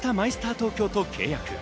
東京と契約。